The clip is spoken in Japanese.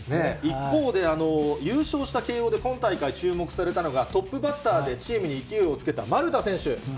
一方で、優勝した慶応で、今大会、注目されたのが、トップバッターでチームに勢いをつけた丸田選手。